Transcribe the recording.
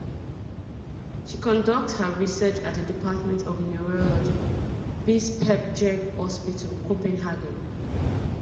She conducts her research at the Department of Neurology, Bispebjerg Hospital, Copenhagen.